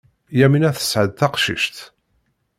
Yamina tesɛa-d taqcict.